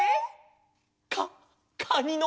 かかにの。